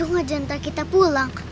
untung aja entah kita pulang